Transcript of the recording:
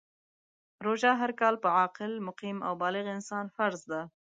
روژه هر کال په عاقل ، مقیم او بالغ انسان فرض ده .